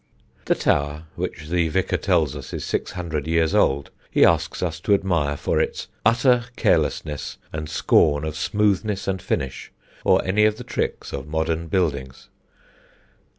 The tower, which the vicar tells us is six hundred years old, he asks us to admire for its "utter carelessness and scorn of smoothness and finish, or any of the tricks of modern buildings."